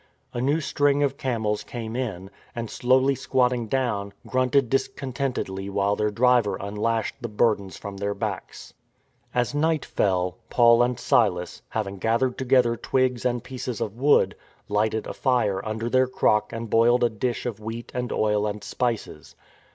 A new string of camels came in, and slowly squatting down, grunted discontentedly while their driver unlashed the burdens from their backs. As night fell, Paul and Silas, having gathered to gether twigs and pieces of wood, lighted a fire under their crock and boiled a dish of wheat and oil and spices.